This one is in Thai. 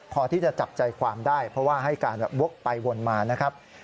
พอที่จะจับใจความได้เพราะว่าให้การแบบวกไปวนมานะครับ